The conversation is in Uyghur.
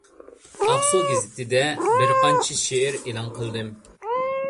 «ئاقسۇ گېزىتى»دە بىرقانچە پارچە شېئىر ئېلان قىلدىم.